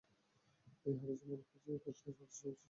এ হাদীস প্রমাণ করে যে, এ কাজটি আরশ সৃষ্টির পরে হয়েছে।